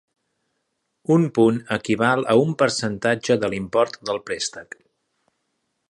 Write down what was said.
Un punt equival a un percentatge de l'import del préstec.